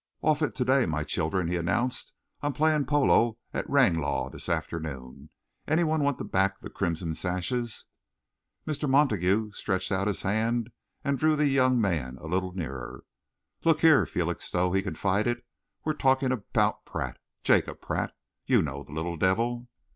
"Off it to day, my children," he announced. "I'm playing polo at Ranelagh this afternoon. Any one want to back the Crimson Sashes?" Mr. Montague stretched out his hand and drew the young man a little nearer. "Look here, Felixstowe," he confided, "we're talking about Pratt Jacob Pratt. You know the little devil."